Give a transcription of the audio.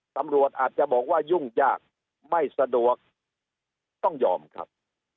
ตำรวจอาจจะบอกว่ายุ่งยากไม่สะดวกต้องยอมครับ